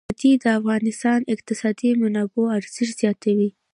وادي د افغانستان د اقتصادي منابعو ارزښت زیاتوي.